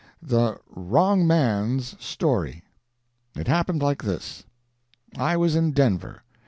THE "WRONG MAN'S" STORY It happened like this: I was in Denver.